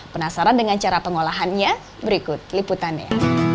penasaran dengan cara pengolahannya berikut liputannya